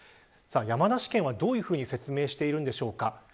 山梨県は、どういうふうに説明しているのでしょうか。